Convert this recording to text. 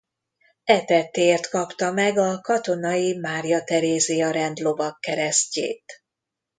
E tettéért kapta meg a Katonai Mária Terézia-rend lovagkeresztjét.